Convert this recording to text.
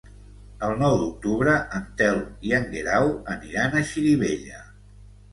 El nou d'octubre en Telm i en Guerau aniran a Xirivella.